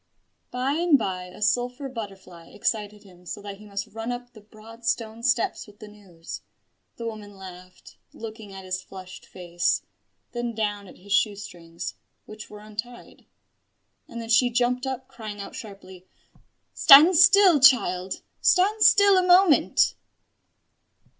By and by a sulphur butterfly excited him so that he must run up the broad stone steps with the news. The woman laughed, looking at his flushed face, then down at his shoe strings, which were untied: and then she jumped up, crying out sharply "Stand still, child stand still a moment!"